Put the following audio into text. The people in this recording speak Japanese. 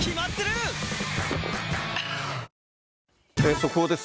速報です。